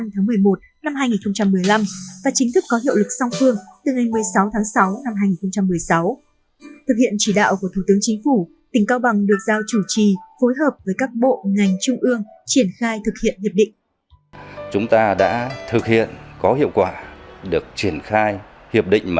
được chính phủ hai nước ký ngày năm tháng một mươi một năm hai nghìn một mươi năm và chính thức có hiệu lực song phương từ ngày một mươi sáu tháng sáu năm hai nghìn một mươi sáu